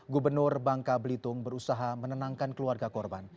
gubernur bangka belitung berusaha menenangkan keluarga korban